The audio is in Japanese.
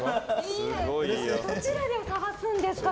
どちらで探すんですか？